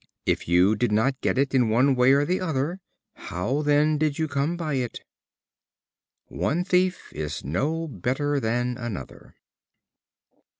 If you did not get it in one way or the other, how then did you come by it?" One thief is no better than another.